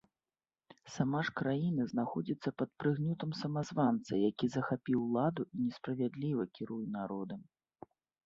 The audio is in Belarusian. Сама ж краіна знаходзіцца пад прыгнётам самазванца, які захапіў уладу і несправядліва кіруе народам.